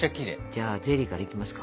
じゃあゼリーからいきますか。